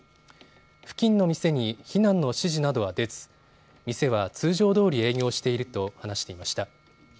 付近の店に避難の指示などは出ず店は通常どおり営業していると話していました。